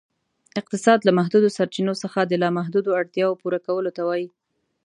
اقتصاد ، له محدودو سرچینو څخه د لا محدودو اړتیاوو پوره کولو ته وایي.